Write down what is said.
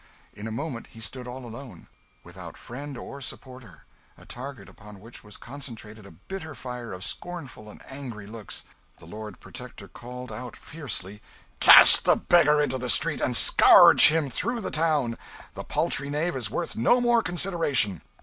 In a moment he stood all alone, without friend or supporter, a target upon which was concentrated a bitter fire of scornful and angry looks. The Lord Protector called out fiercely "Cast the beggar into the street, and scourge him through the town the paltry knave is worth no more consideration!"